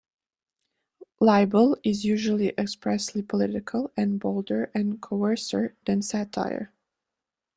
Libel is usually expressly political, and balder and coarser than satire.